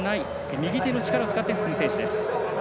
右手の力を使って進む選手です。